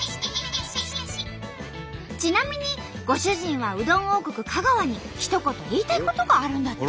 ちなみにご主人はうどん王国香川にひと言言いたいことがあるんだって。